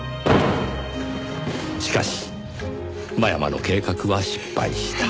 しかし真山の計画は失敗した。